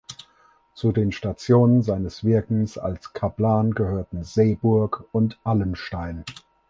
Zu den Stationen seines Wirkens als Kaplan gehörten Seeburg und Allenstein.